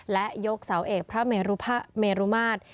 และยกเสาเอกพระเมรุภะเมรุมาตร